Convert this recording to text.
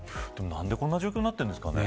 何でこんな状況になっているんですかね。